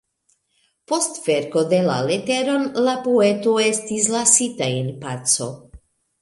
Post verko de la leteron, la poeto estis lasita en paco.